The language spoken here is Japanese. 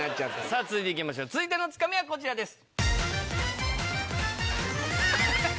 さぁ続いていきましょう続いてのツカミはこちらです。